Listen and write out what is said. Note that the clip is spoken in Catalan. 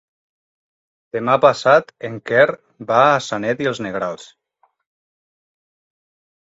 Demà passat en Quer va a Sanet i els Negrals.